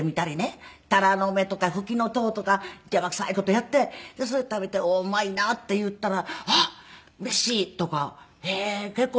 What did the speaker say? タラの芽とかフキノトウとか邪魔くさい事をやってそれ食べて「おおーうまいな」って言ったら「あっうれしい」とか。へえー結婚